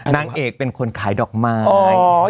นางเอกเป็นคนขายดอกไม้